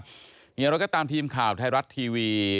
อย่างไรก็ตามทีมข่าวไทยรัฐทีวี